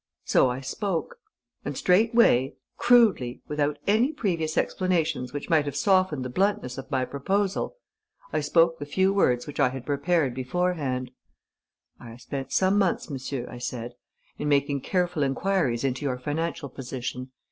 So I spoke. And straightway, crudely, without any previous explanations which might have softened the bluntness of my proposal, I spoke the few words which I had prepared beforehand: 'I have spent some months, monsieur,' I said, 'in making careful enquiries into your financial position.